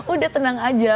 udah tenang aja